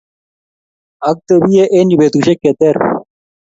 atebie eng' yue betusiek che ter